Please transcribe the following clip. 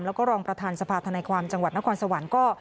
แล้วก็รองประธานสภาธนาความจังหวัดนครสวรรค์ก็